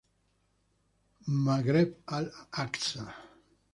Maghreb Al-Aksa.